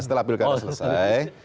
setelah pilkada selesai